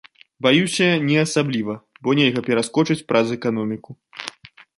Баюся, не асабліва, бо нельга пераскочыць праз эканоміку.